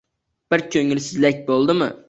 Biror koʻngilsizlik boʻldimi?